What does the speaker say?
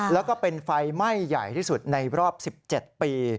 แล้วก็เป็นไฟไหม้ใหญ่ที่สุดในรอบ๑๗ปี